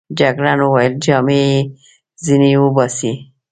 جګړن وویل: جامې يې ځینې وباسئ.